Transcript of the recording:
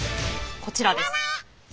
こちらです。